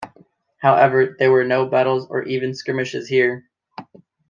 However, there were no battles or even skirmishes here.